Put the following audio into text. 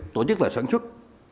tổ chức lại sản xuất